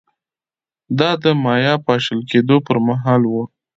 دا د مایا پاشل کېدو پرمهال و